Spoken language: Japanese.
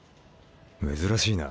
珍しいな。